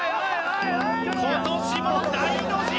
今年も大の字！